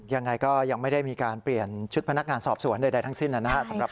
ยังไงก็ยังไม่ได้มีการเปลี่ยนชุดพนักงานสอบสวนใดทั้งสิ้นนะครับ